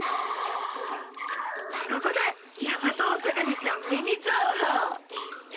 ここでヤマトオサガニちゃんミニ情報。